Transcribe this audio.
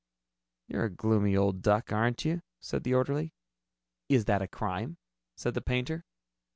"You're a gloomy old duck, aren't you?" said the orderly. "Is that a crime?" said the painter.